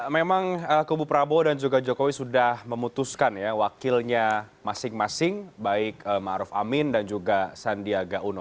memang kubu prabowo dan juga jokowi sudah memutuskan wakilnya masing masing baik ma'ruf amin dan juga sandiaga uno